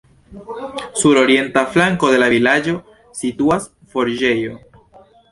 Sur orienta flanko de la vilaĝo situas forĝejo.